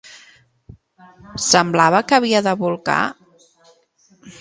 Semblava que havia de bolcar?